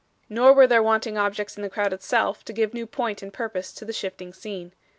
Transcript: Nor were there wanting objects in the crowd itself to give new point and purpose to the shifting scene.